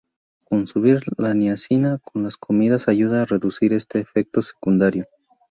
Consumir la niacina con las comidas ayuda a reducir este efecto secundario.